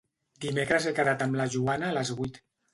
Dimecres he quedat amb la Joana a les vuit.